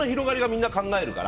みんな考えるから。